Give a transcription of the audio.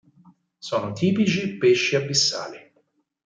Sono tipici pesci abissali.